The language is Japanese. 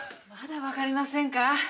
まだ分かりませんか？